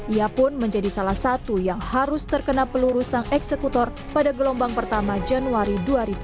ia pun menjadi salah satu yang harus terkena pelurusan eksekutor pada gelombang pertama januari dua ribu lima belas